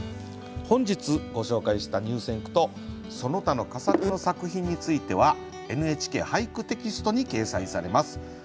本日ご紹介した入選句とその他の佳作の作品については「ＮＨＫ俳句」テキストに掲載されます。